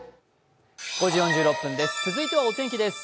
続いてはお天気です。